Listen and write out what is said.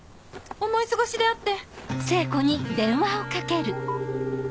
思い過ごしであって